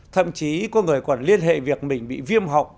thậm chí có người còn liên hệ việc mình bị viêm họng